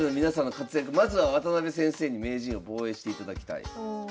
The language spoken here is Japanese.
まずは渡辺先生に名人を防衛していただきたい。